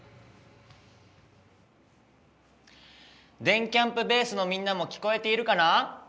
電キャんぷベースのみんなも聞こえているかな？